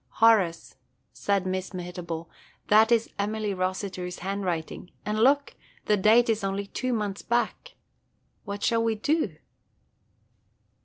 "Horace," said Miss Mehitable, "that is Emily Rossiter's handwriting; and look, the date is only two months back! What shall we do?"